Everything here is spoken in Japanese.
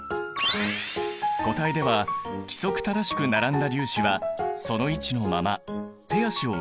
固体では規則正しく並んだ粒子はその位置のまま手足を動かしているくらい。